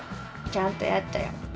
ちゃんとやったよ。